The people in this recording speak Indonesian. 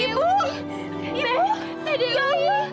ibu ibu tewi